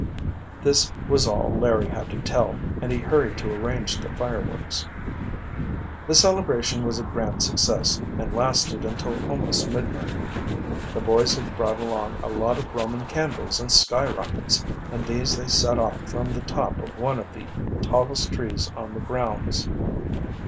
This was all Larry had to tell, and he hurried to arrange the fireworks. The celebration was a grand success, and lasted until almost midnight. The boys had brought along a lot of Roman candles and skyrockets, and these they set off from the top of one of the tallest trees on the grounds.